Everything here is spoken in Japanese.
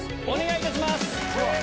お願いいたします。